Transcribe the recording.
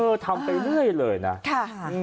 เออทำไปเรื่อยเลยนะค่ะ